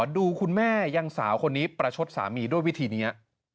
ดูคุณแม่ยังสาวคนนี้ประชดสามีด้วยวิธีนี้